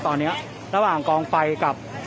มันก็ไม่ต่างจากที่นี่นะครับ